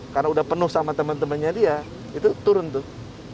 karena sudah penuh sama teman temannya dia itu turun tuh